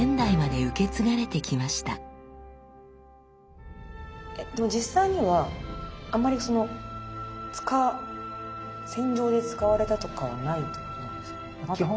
でも実際にはあんまりその戦場で使われたとかはないってことなんですかね？